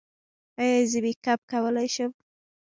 ایا زه میک اپ کولی شم؟